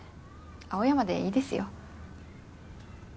青山でいいですよ。